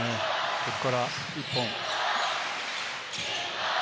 ここから１本。